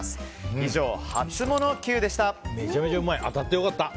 以上、ハツモノＱでした。